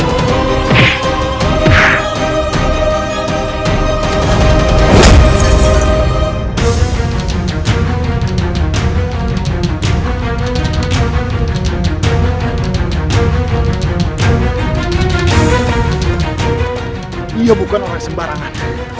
dia bukan orang sembarangan